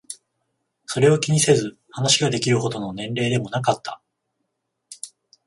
それを気にせず話ができるほどの年齢でもなかった。